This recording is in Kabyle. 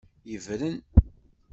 Yebren.